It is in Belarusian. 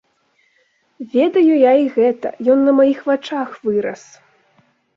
Ведаю я і гэта, ён на маіх вачах вырас.